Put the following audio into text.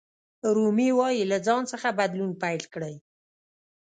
رومي وایي له ځان څخه بدلون پیل کړئ.